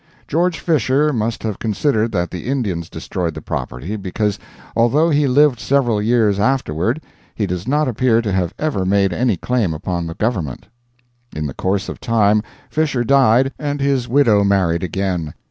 George Fisher must have considered that the Indians destroyed the property, because, although he lived several years afterward, he does not appear to have ever made any claim upon the government. In the course of time Fisher died, and his widow married again.